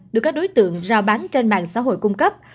được các đối tượng rao bán trên mạng xã hội cung cấp